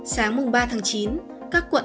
sáng mùng ba tháng chín các quận